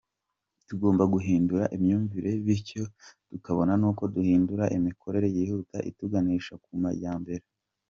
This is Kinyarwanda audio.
Tugomba guhindura imyumvire bityo tukabona n’uko duhindura imikorere yihuta ituganisha ku majyambere.